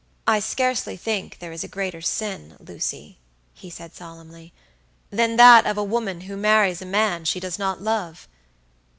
"I scarcely think there is a greater sin, Lucy," he said, solemnly, "than that of a woman who marries a man she does not love.